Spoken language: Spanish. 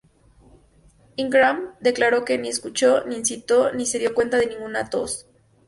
Ingram declaró que ni "escuchó, ni incitó, ni se dio cuenta de ninguna tos".